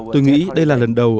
tôi nghĩ đây là lần đầu